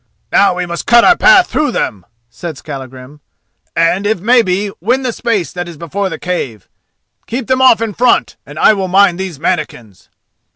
"Now we must cut our path through them," said Skallagrim, "and, if it may be, win the space that is before the cave. Keep them off in front, and I will mind these mannikins."